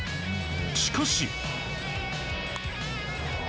しかし。